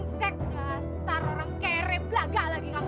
kesek udah asar orang kereplaga lagi kamu